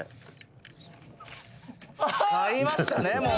「買いましたねもう」